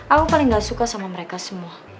aku paling gak suka sama mereka semua